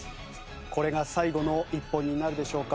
これが最後の１本になるでしょうか？